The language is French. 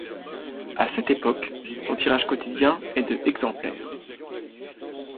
À cette époque, son tirage quotidien est de exemplaires.